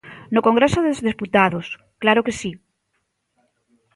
No Congreso dos Deputados, ¡claro que si!